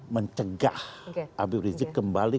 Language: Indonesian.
mencegah habib rizik kembali